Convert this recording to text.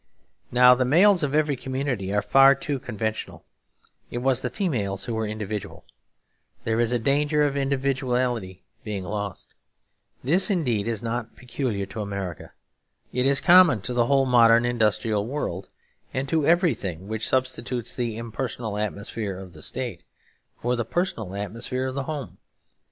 Now the males of every community are far too conventional; it was the females who were individual and criticised the conventions of the tribe. If the females become conventional also, there is a danger of individuality being lost. This indeed is not peculiar to America; it is common to the whole modern industrial world, and to everything which substitutes the impersonal atmosphere of the State for the personal atmosphere of the home.